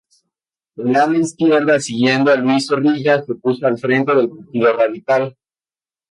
El ala izquierda, siguiendo a Ruiz Zorrilla, se puso al frente del Partido Radical.